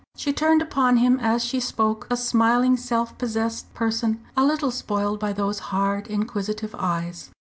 She turned upon him as she spoke a smiling, self possessed person a little spoilt by those hard, inquisitive eyes.